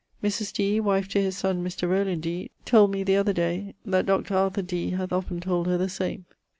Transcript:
[LVI.] Mrs. Dee, wife to his son Mr. Rowland Dee, told me the other day that Dr. Arthur Dee hath often told her the same.